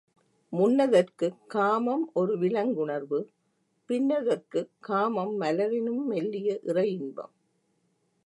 முன்னதற்குக் காமம் ஒரு விலங்குணர்வு பின்னதற்குக் காமம் மலரினும் மெல்லிய இறையின்பம்.